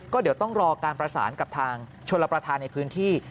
ก็เดี๋ยวต้องรอการประสานกับทางชนรับประทานในพื้นที่